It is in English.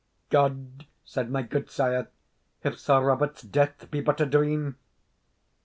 "God!" said my gudesire, "if Sir Robert's death be but a dream!"